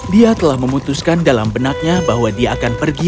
dia telah memutuskan dalam benaknya bahwa dia akan pergi